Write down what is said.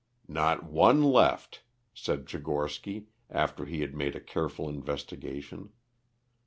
"Not one left," said Tchigorsky, after he had made a careful investigation.